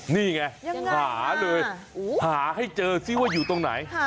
นี่ไงหาเลยหาให้เจอซิว่าอยู่ตรงไหน